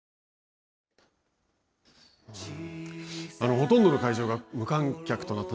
ほとんどの会場が無観客となった